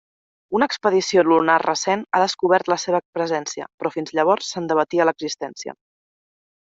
Una expedició lunar recent ha descobert la seva presència, però fins llavors se'n debatia l'existència.